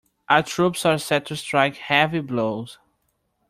Our troops are set to strike heavy blows.